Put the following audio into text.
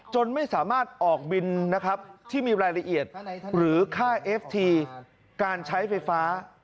จนไม่สามารถออกบินนะครับที่มีรายละเอียดหรือค่าเอฟทีการใช้ไฟฟ้า